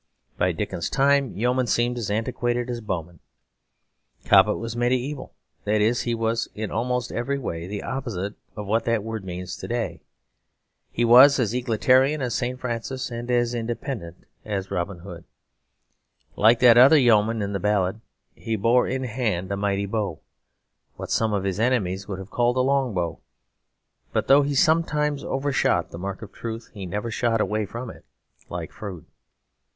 By Dickens's time, yeomen seemed as antiquated as bowmen. Cobbett was mediaeval; that is, he was in almost every way the opposite of what that word means to day. He was as egalitarian as St. Francis, and as independent as Robin Hood. Like that other yeoman in the ballad, he bore in hand a mighty bow; what some of his enemies would have called a long bow. But though he sometimes overshot the mark of truth, he never shot away from it, like Froude.